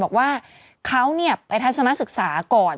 บอกว่าเขานี่ไปทัศนสิกษามากก่อน